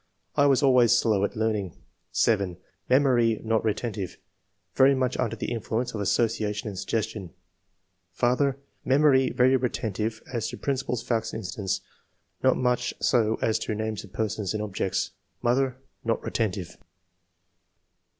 "I was always slow at learning." 7. " Memory not retentive ; very much under the influence of association and suggestion. '' FatJier — Memory very retentive as to prin ciples, facts, and incidents ; not much so as to names of persons and objects. Mother — Not retentive."